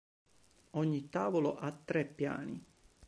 Ogni tavolo ha tre piani.